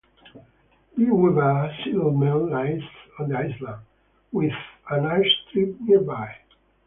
Beaver Settlement lies on the island, with an airstrip nearby.